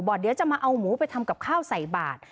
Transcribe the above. เดี๋ยวจะมาเอาหมูไปทำกับข้าวใส่บาท